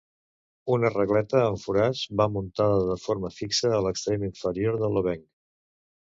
Una regleta amb forats va muntada de forma fixa a l'extrem inferior de l'obenc.